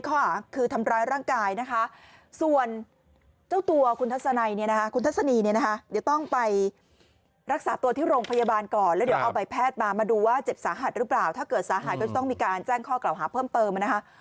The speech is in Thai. ก็จะมีการแจ้งข้อกล่าวหาเพิ่มเติมนะฮะ